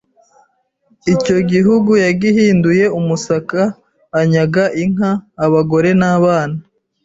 Icyo gihugu yagihinduye umusaka anyaga inka abagore n’abana